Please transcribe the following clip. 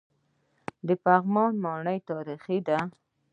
د پغمان ماڼۍ تاریخي ده